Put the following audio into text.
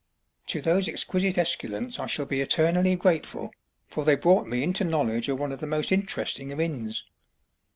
To those exquisite esculents I shall be eternally grateful, for they brought me into knowledge of one of the most interesting of inns.